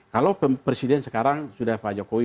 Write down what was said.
kalau presiden sekarang sudah pak jokowi